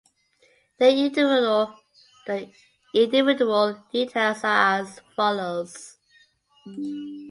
Their individual details are as follows.